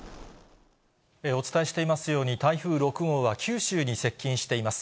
お伝えしていますように、台風６号は九州に接近しています。